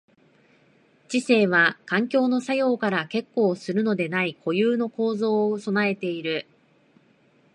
知性は環境の作用から結果するのでない固有の構造を具えている。